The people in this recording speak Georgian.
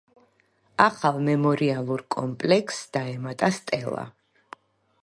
ახალ მემორიალურ კომპლექსს დაემატა სტელა.